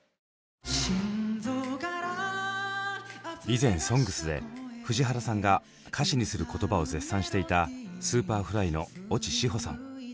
以前「ＳＯＮＧＳ」で藤原さんが歌詞にする言葉を絶賛していたＳｕｐｅｒｆｌｙの越智志帆さん。